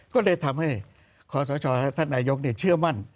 ก็เลยทำให้คศนายกเชื่อมั่น